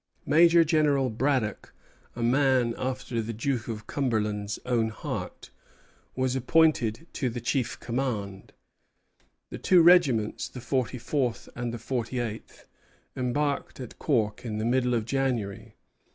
Major General Braddock, a man after the Duke of Cumberland's own heart, was appointed to the chief command. The two regiments the forty fourth and the forty eighth embarked at Cork in the middle of January.